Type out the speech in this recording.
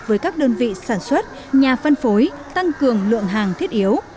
với các đơn vị sản xuất nhà phân phối tăng cường lượng hàng thiết yếu